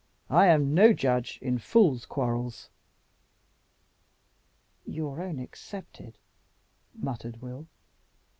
I am no judge in fools' quarrels." "Your own excepted," muttered Will.